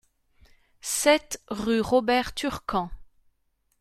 sept rue Robert Turquan